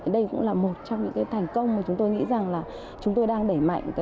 đây cũng là một trong những thành công mà chúng tôi nghĩ rằng là chúng tôi đang đẩy mạnh